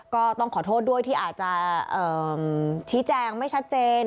ก็ต้องขอโทษด้วยที่อาจจะชี้แจงไม่ชัดเจน